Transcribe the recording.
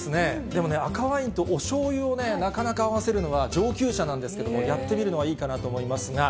でもね、赤ワインとおしょうゆをなかなか合わせるのは上級者なんですけど、やってみるのはいいかなと思いますが。